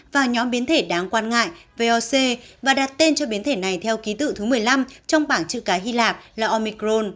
năm trăm hai mươi chín vào nhóm biến thể đáng quan ngại voc và đặt tên cho biến thể này theo ký tự thứ một mươi năm trong bảng chữ cái hy lạp là omicron